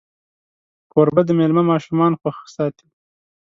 کوربه د میلمه ماشومان خوښ ساتي.